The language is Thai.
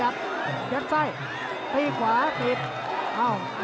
เอ้าหลีกอีก๒๐วินาที